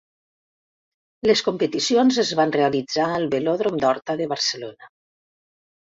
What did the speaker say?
Les competicions es van realitzar al Velòdrom d'Horta de Barcelona.